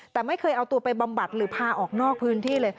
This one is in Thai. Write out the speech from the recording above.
แต่ไม่เคยเอาตัวไปบำบัดหรือพาออกนอกพื้นที่เลย